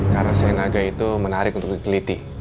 karena senaga itu menarik untuk diteliti